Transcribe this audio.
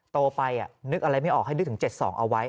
โตไปนึกอะไรไม่ออกให้นึกถึง๗๒เอาไว้